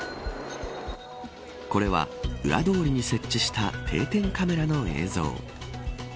これは、裏通りに設置した定点カメラの映像。